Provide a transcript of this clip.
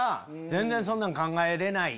全然そんなん考えれない。